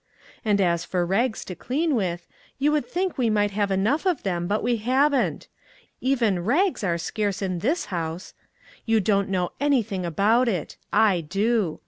And as for rags to clean with, you would think we might have enough of them, but we haven't. Even rags are scarce in this house. You don't know anything about it. I do.